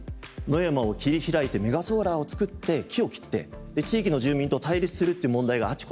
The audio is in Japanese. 野山を切り開いてメガソーラーをつくって木を切って地域の住民と対立するっていう問題があちこちで起きてますね。